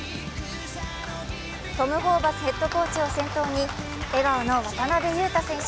トム・ホーバスヘッドコーチを先頭に笑顔の渡邊雄太選手。